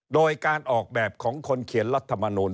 โดยการออกแบบของคนเขียนรัฐมนูล